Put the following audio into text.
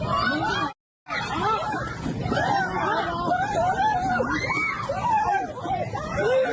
เอาเขาเข้าไปก่อน